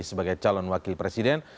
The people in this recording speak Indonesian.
sebagai calon wakil presiden